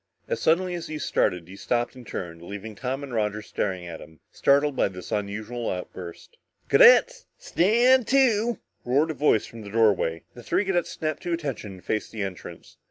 As suddenly as he had started, he stopped and turned, leaving Tom and Roger staring at him, startled by this unusual outburst. "Cadets stand to!" roared a voice from the doorway. The three cadets snapped to attention and faced the entrance.